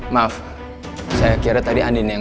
maaf saya kira tadi andini yang